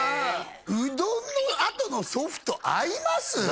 うどんのあとのソフト合います？